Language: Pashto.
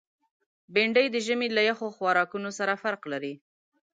بېنډۍ د ژمي له یخو خوراکونو سره فرق لري